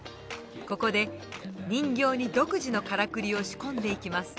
ここで人形に独自のカラクリを仕込んでいきます。